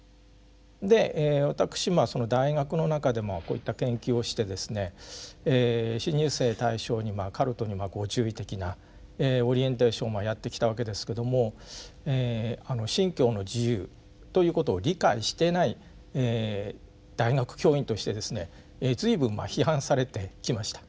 で私大学の中でこういった研究をしてですね新入生対象にカルトにご注意的なオリエンテーションやってきたわけですけども「信教の自由」ということを理解してない大学教員としてですね随分まあ批判されてきました。